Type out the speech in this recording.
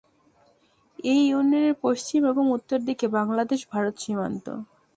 এ ইউনিয়নের পশ্চিম এবং উত্তর দিকে বাংলাদেশ-ভারত সীমান্ত।